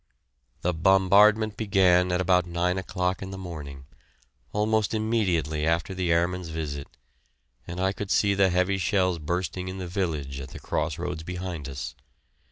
The bombardment began at about nine o'clock in the morning, almost immediately after the airman's visit, and I could see the heavy shells bursting in the village at the cross roads behind us.